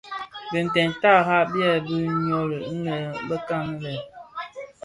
Binted tara byèbi nyoli inë bekan lè.